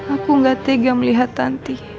aku nggak tega melihat tanti